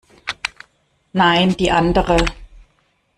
Nein, die andere.